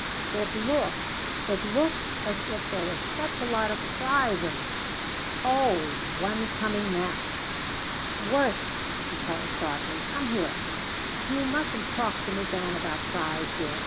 "It looks it looks as if there was such a lot of cries in them! o h one's coming now!" "Worth," she called sharply, "come here. You mustn't talk to Miss Ann about cries, dear.